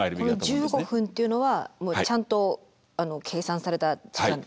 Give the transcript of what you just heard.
この１５分というのはもうちゃんと計算された時間。